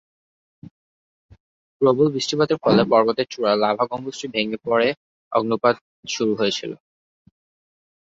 প্রবল বৃষ্টিপাতের ফলে পর্বতের চূড়ায় লাভা গম্বুজটি ভেঙে পড়ার পরে অগ্ন্যুৎপাত শুরু হয়েছিল।